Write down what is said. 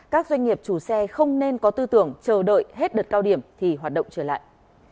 các doanh nghiệp chủ xe không nên có tư tưởng chờ đợi hết đợt cao điểm thì hoạt động trở lại